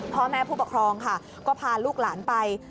พ่อแม่ผู้ปกครองค่ะก็พาลูกหลานไป